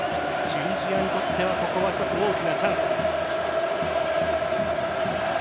チュニジアにとってはここは一つ大きなチャンス。